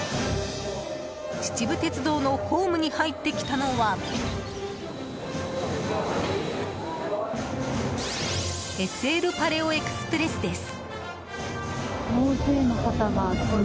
秩父鉄道のホームに入ってきたのは「ＳＬパレオエクスプレス」です。